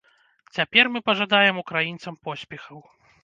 Цяпер мы пажадаем украінцам поспехаў.